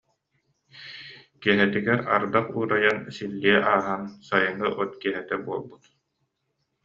Киэһэтигэр ардах уурайан, силлиэ ааһан, сайыҥҥы от киэһэтэ буолбут